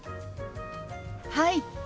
はい！